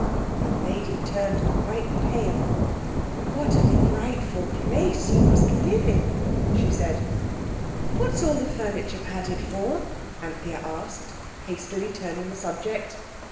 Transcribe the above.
The lady turned quite pale. "What a frightful place you must live in!" she said. "What's all the furniture padded for?" Anthea asked, hastily turning the subject.